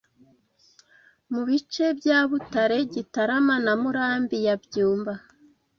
mu bice bya Butare, Gitarama na Murambi ya Byumba